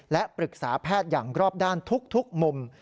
และปรึกษาแพทย์อย่างรอบด้านทุกมุม